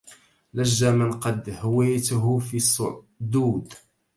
لج من قد هويته في الصدود